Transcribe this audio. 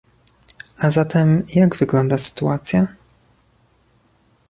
A zatem, jak wygląda sytuacja?